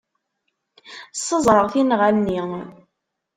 Ssaẓreɣ tinɣa-nni.